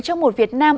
trong một việt nam